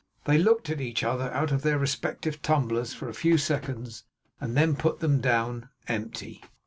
They looked at each other out of their respective tumblers for a few seconds, and then put them down empty.